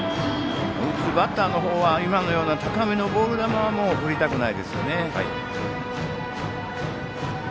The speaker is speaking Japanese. バッターの方は今のような高めのボール球ももう振りたくないですよね。